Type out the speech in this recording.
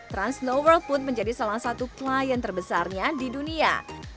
transnoworld pun menjadi salah satu klien terbesarnya di dunia